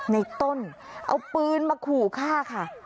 ในต้นเอาปืนมาขู่ฆ่าค่ะ